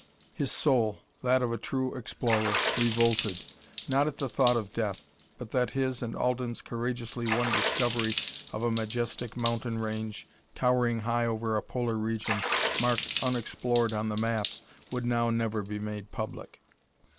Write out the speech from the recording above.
His soul that of a true explorer revolted, not at the thought of death, but that his and Alden's courageously won discovery of a majestic mountain range towering high over a polar region marked "unexplored" on the maps would now never be made public.